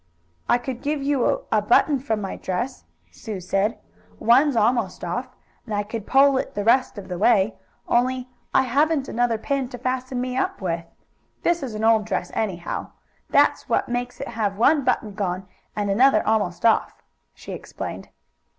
"I could give you a button from my dress," Sue said. "One's almost off, and I could pull it the rest of the way. Only I haven't another pin to fasten me up with. This is an old dress, anyhow. That's what makes it have one button gone and another almost off," she explained.